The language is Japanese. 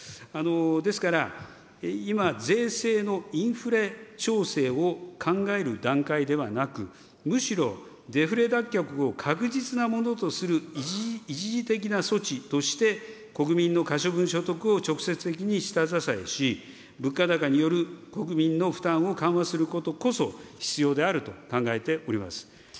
ですから、今、税制のインフレ調整を考える段階ではなく、むしろ、デフレ脱却を確実なものとする一時的な措置として国民の可処分所得を直接的に下支えし、物価高による国民の負担を緩和することこそ、必要であると考えております。